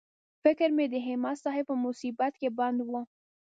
فکر مې د همت صاحب په مصیبت کې بند و.